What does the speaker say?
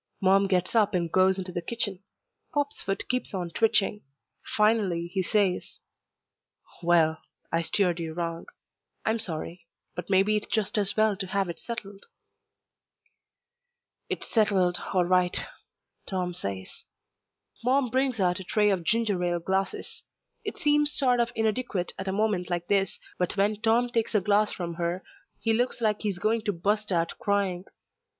Mom gets up and goes into the kitchen. Pop's foot keeps on twitching. Finally he says, "Well, I steered you wrong. I'm sorry. But maybe it's just as well to have it settled." "It's settled, all right," Tom says. Mom brings out a tray of ginger ale glasses. It seems sort of inadequate at a moment like this, but when Tom takes a glass from her he looks like he's going to bust out crying.